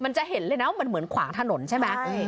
จะเห็นเลยนะว่ามันเหมือนขวางถนนใช่ไหม